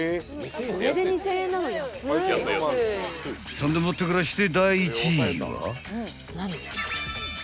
［そんでもってからして］